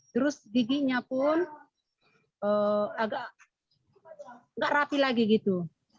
terus giginya pun agak nggak rapi lagi gitu